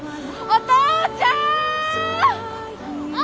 お父ちゃん！